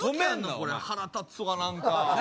これ腹立つわ何かな